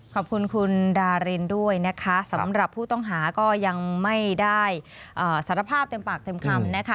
ขอบคุณคุณดารินด้วยนะคะสำหรับผู้ต้องหาก็ยังไม่ได้สารภาพเต็มปากเต็มคำนะคะ